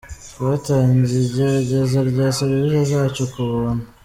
Twatangiye igerageza rya serivisi zacu ku buntu.